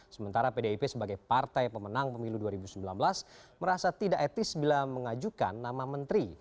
sementara pdip sebagai partai pemenang pemilu dua ribu sembilan belas merasa tidak etis bila mengajukan nama menteri